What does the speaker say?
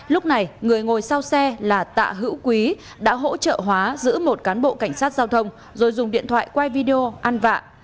lúc này người ngồi sau xe là tạ hữu quý đã hỗ trợ hóa giữ một cán bộ cảnh sát giao thông rồi dùng điện thoại quay video ăn vạ